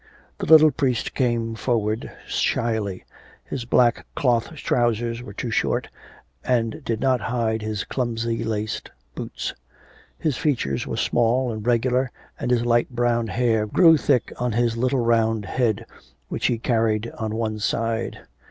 The little priest came forward shyly. His black cloth trousers were too short, and did not hide his clumsy laced boots. His features were small and regular, and his light brown hair grew thick on his little round head, which he carried on one side.